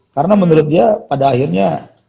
karena menurut dia pada akhirnya